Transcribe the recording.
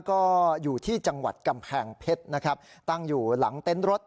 ก็อยู่ที่จังหวัดกำแพงเพชรนะครับตั้งอยู่หลังเต็นต์รถ